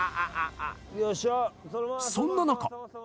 そんな中。